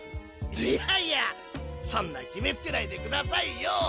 いやいやそんな決めつけないでくださいよ。